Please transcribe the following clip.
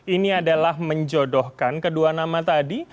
ini adalah menjodohkan kedua nama tadi